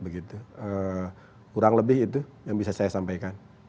kurang lebih itu yang bisa saya sampaikan